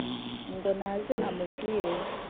ngo naze amubwire”